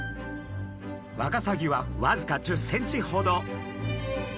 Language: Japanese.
ワカサギはわずか１０ｃｍほど。